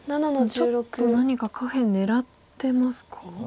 ちょっと何か下辺狙ってますか？